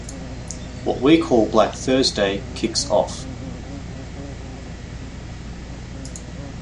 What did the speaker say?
What we call Black Thursday kicks off.